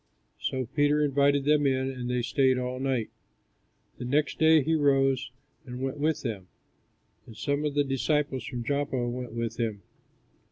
So Peter invited them in and they stayed all night. The next day he rose and went with them, and some of the disciples from Joppa went with him.